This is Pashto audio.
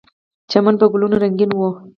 چمن په ګلونو رنګین و.